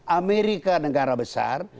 amerika negara besar